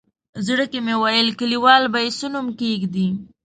زړه کې مې ویل کلیوال به یې څه نوم کېږدي.